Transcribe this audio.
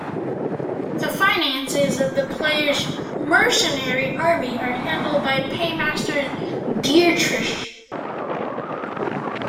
The finances of the player's mercenary army are handled by Paymaster Dietrich.